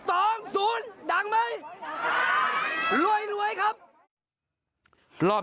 กลับ๗๒๐ดังมั้ยรวยรวยครับ